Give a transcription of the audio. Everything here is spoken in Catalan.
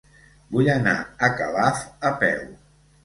Vull anar a Calaf a peu.